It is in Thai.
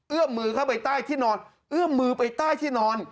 มือเข้าไปใต้ที่นอนเอื้อมมือไปใต้ที่นอน